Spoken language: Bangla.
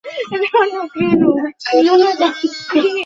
আমার উপর ভরসা রেখো না, আমি মরি বাঁচি, তোমরা ছড়াও, ছড়াও।